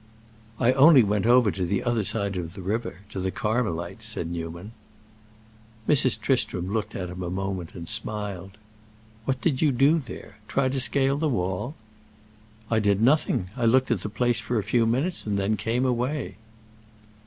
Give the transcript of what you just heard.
"I only went over to the other side of the river—to the Carmelites," said Newman. Mrs. Tristram looked at him a moment and smiled. "What did you do there? Try to scale the wall?" "I did nothing. I looked at the place for a few minutes and then came away."